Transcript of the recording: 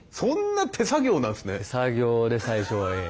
手作業で最初はええ。